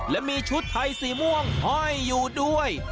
และมีชุดไทยสีม่วงห้อยอยู่ด้วย